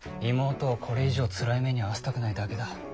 妹をこれ以上つらい目に遭わせたくないだけだ。